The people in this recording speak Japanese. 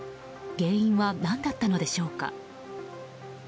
原因は何だったのでしょうか。